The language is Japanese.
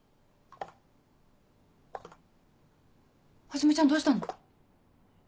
はじめちゃんどうしたの？